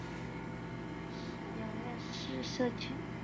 仁敦冈书室属三进两院式设计。